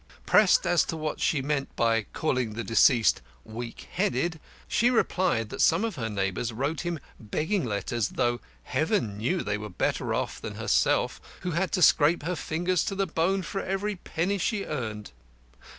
Pressed as to what she meant by calling the deceased "weak headed," she replied that some of her neighbours wrote him begging letters, though, Heaven knew, they were better off than herself, who had to scrape her fingers to the bone for every penny she earned.